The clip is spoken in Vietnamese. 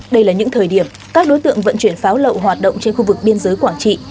đây là những thời điểm các đối tượng vận chuyển pháo lậu hoạt động trên khu vực biên giới quảng trị